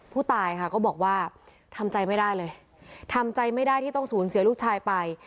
ผู้ตายค่ะก็บอกว่าทำใจไม่ได้เลยทำใจไม่ได้ที่ต้องสูญเสียลูกชายไป